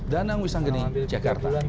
danang wisanggeni jakarta